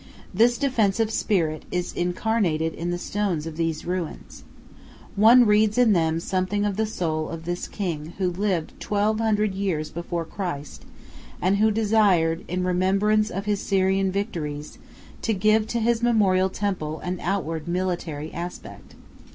This defensive spirit is incarnated in the stones of these ruins. One reads in them something of the soul of this king who lived twelve hundred years before Christ, and who desired, "in remembrance of his Syrian victories," to give to his memorial temple an outward military aspect.